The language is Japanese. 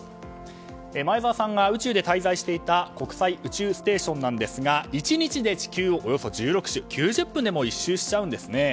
前澤さんが宇宙で滞在していた国際宇宙ステーションですが１日で地球をおよそ１６周９０分で１周しちゃうんですね。